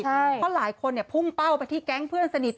เพราะหลายคนพุ่งเป้าไปที่แก๊งเพื่อนสนิท